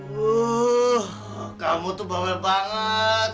duh kamu tuh bau bau banget